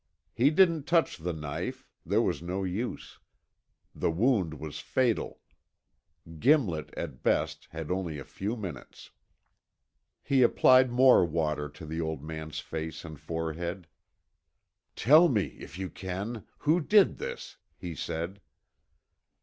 He didn't touch the knife there was no use. The wound was fatal; Gimlet at best had only a few minutes. He applied more water to the old man's face and forehead. "Tell me, if you can, who did this?" he said.